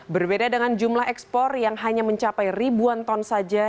berbeda dengan jumlah ekspor yang hanya mencapai ribuan ton saja